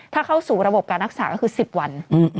ถ้าเข้าสู่ระบบการรักษาก็คือ๑๐วัน